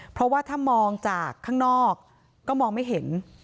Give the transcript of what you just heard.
เพราะว่าถ้ามองจากข้างนอกก็มองไม่เห็น